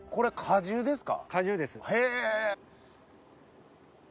果汁です。